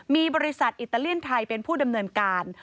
มีบริษัทอิตาเลียนไทยเป็นผู้ดำเนินการ